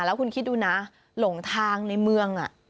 แล้วคุณคิดดูนะหลงทางในเมือง